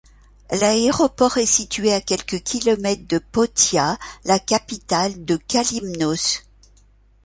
L'aéroport est situé à quelques kilomètres de Pothia, la capitale de Kalymnos.